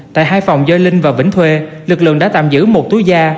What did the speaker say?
tại hai phòng do linh và vĩnh thuê lực lượng đã tạm giữ một túi da